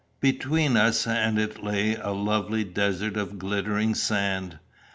Between us and it lay a lovely desert of glittering sand.